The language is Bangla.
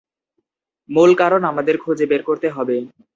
মূল কারণ আমাদের খুঁজে বের করতে হবে।